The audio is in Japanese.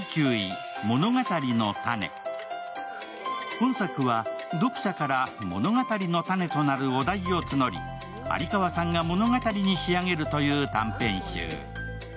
本作は読者から読者のたねとなるお題を募り有川さんが物語に仕上げるという短編集。